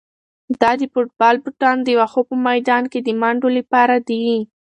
دا د فوټبال بوټان د واښو په میدان کې د منډو لپاره دي.